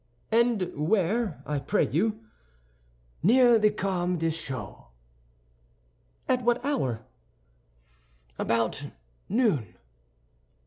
"And where, I pray you?" "Near the Carmes Deschaux." "At what hour?" "About noon."